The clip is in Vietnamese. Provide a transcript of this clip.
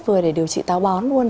vừa để điều trị táo bón luôn